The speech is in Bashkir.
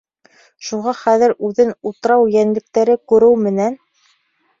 Шуға хәҙер үҙен утрау йәнлектәре күреү менән: